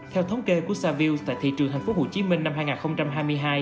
theo thống kê của saview tại thị trường tp hcm năm hai nghìn hai mươi hai